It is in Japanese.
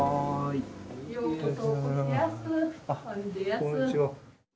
こんにちは。